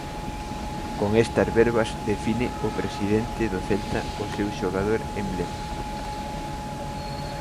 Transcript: Con estas verbas define o presidente do Celta o seu xogador emblema.